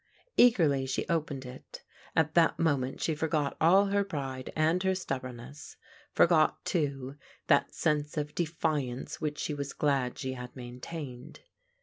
Eagerly she opened it ; at that moment she forgot all her pride and her stubborn ness; forgot, too, that sense of defiance which she was glad she had maintained.